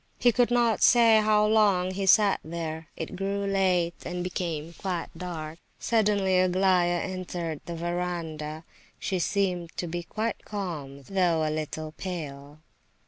He could not say how long he sat there. It grew late and became quite dark. Suddenly Aglaya entered the verandah. She seemed to be quite calm, though a little pale.